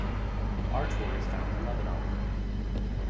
Artur is found in Lebanon.